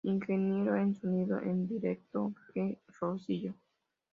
Ingeniero de Sonido en directo J. Rosillo.